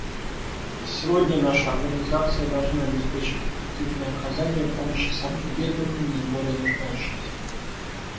Сегодня наша Организация должна обеспечить эффективное оказание помощи самым бедным и наиболее нуждающимся.